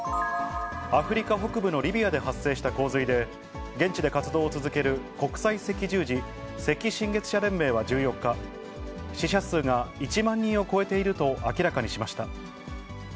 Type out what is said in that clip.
アフリカ北部のリビアで発生した洪水で、現地で活動を続ける、国際赤十字・赤新月社連盟は１４日、死者数が１万人を超えていると明らかにしました。